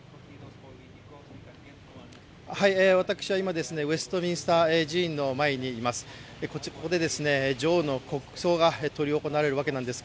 私は今、ウエストミンスター寺院の前にいます。